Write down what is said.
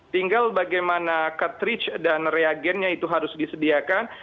tinggal bagaimana cartridge dan reagentnya itu harus disediakan